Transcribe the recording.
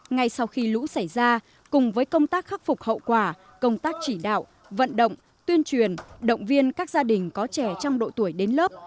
ngay sau khi lũ xảy ra cùng với công tác khắc phục hậu quả công tác chỉ đạo vận động tuyên truyền động viên các gia đình có trẻ trong độ tuổi đến lớp